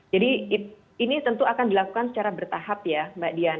jadi ini tentu akan dilakukan secara bertahap ya mbak diana